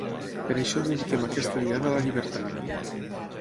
Per això dediquem aquesta Diada a la llibertat.